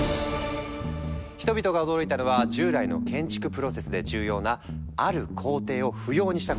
人々が驚いたのは従来の建築プロセスで重要なある工程を不要にしたことなんだ。